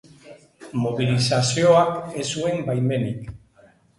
Mobilizazioak ez zuen baimenik.